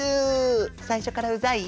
最初からうざい？